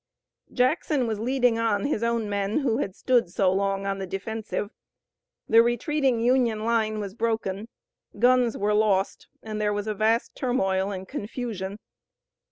Jackson was leading on his own men who had stood so long on the defensive. The retreating Union line was broken, guns were lost, and there was a vast turmoil and confusion.